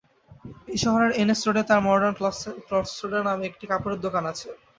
শহরের এনএস রোডে তাঁর মডার্ন ক্লথ স্টোর নামে একটি কাপড়ের দোকান আছে।